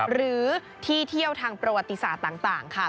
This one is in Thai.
หรือที่เที่ยวทางประวัติศาสตร์ต่างค่ะ